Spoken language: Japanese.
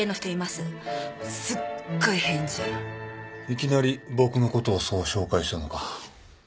いきなり僕のことをそう紹介したのか？